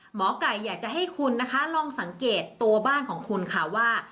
หมอไก่อยากจะให้คุณนะคะลองสังเกตตัวบ้านของคุณค่ะว่า